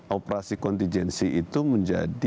operasi kontijensi itu menjadi